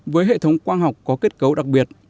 với hệ thống quang học có kết cấu đặc biệt